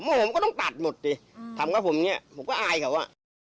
ผมก็ต้องตัดหมดดิทำกับผมเนี่ยผมก็อายเขาอ่ะ